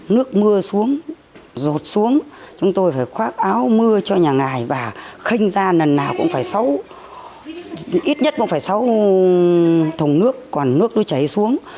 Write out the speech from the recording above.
nước mưa xuống rột xuống chúng tôi phải khoác áo mưa cho nhà ngài và khênh ra lần nào cũng phải sáu ít nhất cũng phải sáu thùng nước còn nước nó cháy xuống